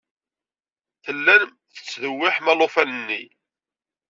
Tellam tettdewwiḥem alufan-nni.